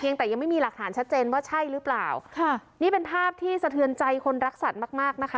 ยังแต่ยังไม่มีหลักฐานชัดเจนว่าใช่หรือเปล่าค่ะนี่เป็นภาพที่สะเทือนใจคนรักสัตว์มากมากนะคะ